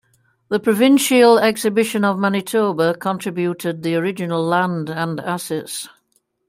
The Provincial Exhibition of Manitoba contributed the original land and assets.